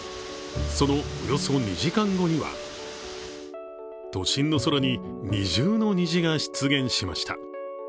そのおよそ２時間後には都心の空に二重の虹が出現しました。